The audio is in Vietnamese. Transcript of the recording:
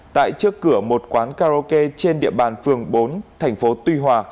tại trước cửa một quán karaoke trên địa bàn phường bốn thành phố tuy hòa